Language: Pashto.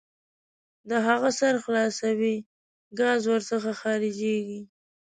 د هغه سر خلاصوئ ګاز ور څخه خارجیږي.